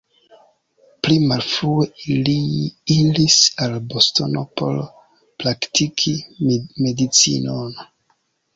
Pli malfrue li iris al Bostono por praktiki medicinon.